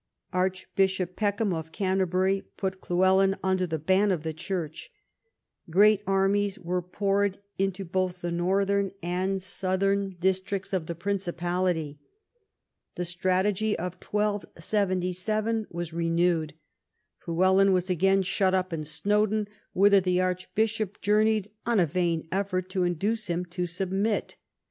Archbishop Peckham of Canter bury put Llywelyn under the ban of the Church. Great armies were poured into both the northern and southern vr THE CONQUEST OF THE PRINCIPALITY 113 districts of the Principality. The strategy of 1277 was renewed. Llywelyn was again shut up in Snowdon, whither the Archbishop journeyed on a vain effort to induce him to submit.